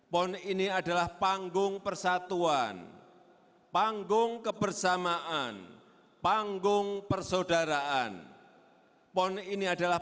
papua yang saya cintai